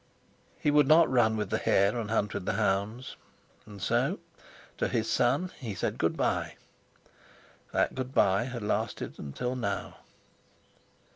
He would not run with the hare and hunt with the hounds, and so to his son he said good bye. That good bye had lasted until now.